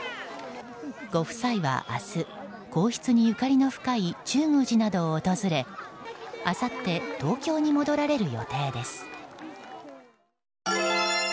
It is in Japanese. ご夫妻は明日皇室にゆかりの深い中宮寺などを訪れあさって東京に戻られる予定です。